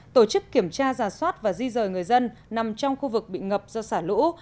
tổ chức kiểm tra giả soát và di rời người dân nằm trong khu vực bị ngập do xả lũ